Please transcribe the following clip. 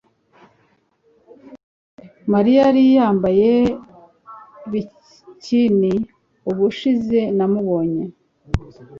Mariya yari yambaye bikini ubushize namubonye